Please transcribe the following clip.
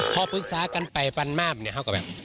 พอปรึกษากันไปปันมาเนี่ยเขาก็แบบ